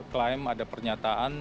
klaim ada pernyataan